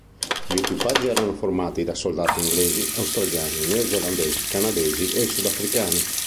Gli equipaggi erano formati da soldati inglesi, australiani, neozelandesi, canadesi e sudafricani.